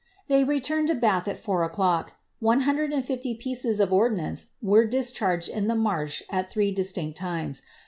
They returned to Bath at four o^clock; 150 pieces of ordnance were dis charged in the marsh at three distinct times.